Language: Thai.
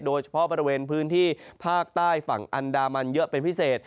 โดยเฉพาะบริเวณพื้นที่ภาคใต้ฝั่งอันดามันเยอะเป็นพิเศษ